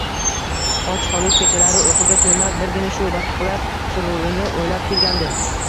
Och qolib, kechalari uyquga to`ymay, birgina shu daqiqalar sururini o`ylab kelgandi